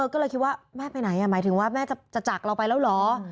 ก็เลยคิดว่าแม่ไปไหนหมายถึงว่าแม่จะจากเราไปแล้วเหรอ